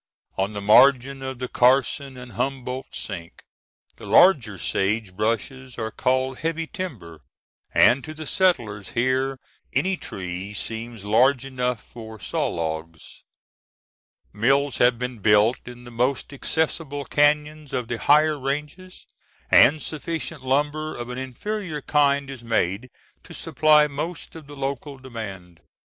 On the margin of the Carson and Humboldt Sink the larger sage bushes are called "heavy timber"; and to the settlers here any tree seems large enough for saw logs. Mills have been built in the most accessible cañons of the higher ranges, and sufficient lumber of an inferior kind is made to supply most of the local demand.